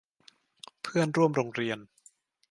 เพื่อนร่วมโรงเรียน